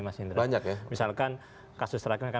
misalkan kasus terakhir